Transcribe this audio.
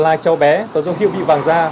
là chó bé có dấu hiệu bị vàng da